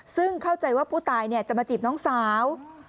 ซึ่งเข้าใจว่าผู้ตายจะมาจีบน้องสาว